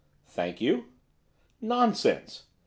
] 'Thank you.' 'Nonsense.